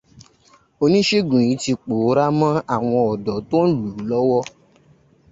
Oníṣègùn yìí ti pòórá mọ́ àwọn ọ̀dọ́ tó ń lù ú lọ́wọ́